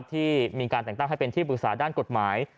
ที่มีการแต่งตั้งให้เป็นที่ปรึกษาด้านกฎหมาย